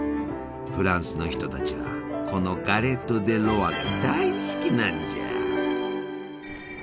フランスの人たちはこのガレット・デ・ロワが大好きなんじゃ！